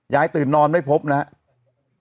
ยายตื่นนอนไม่พบนะฮะ